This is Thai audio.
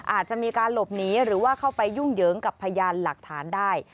อาจจะมีการหลบหนีหรือว่าเข้าไปยุ่งเหยิงกับพยานหลักฐานได้